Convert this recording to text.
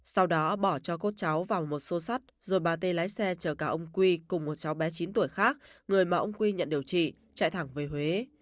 sau đó bỏ cho cốt cháu vào một xô sát rồi bà tê lái xe chở cả ông quy cùng một cháu bé chín tuổi khác người mà ông quy nhận điều trị chạy thẳng về huế